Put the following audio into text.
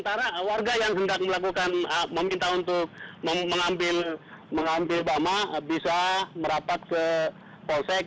sementara warga yang hendak melakukan meminta untuk mengambil bama bisa merapat ke polsek